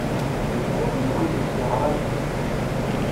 Anwi i kent-d-yeɣṛan?